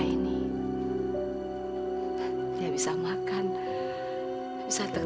ini belum berakhir dew